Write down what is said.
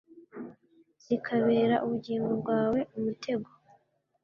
zikabera ubugingo bwawe umutego